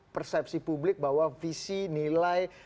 persepsi publik bahwa visi nilai